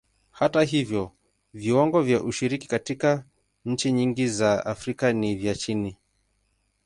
Hata hivyo, viwango vya ushiriki katika nchi nyingi za Afrika ni vya chini.